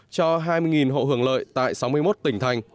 cho hai mươi hộ hưởng lợi tại sáu mươi một tỉnh thành